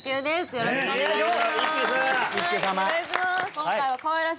よろしくお願いします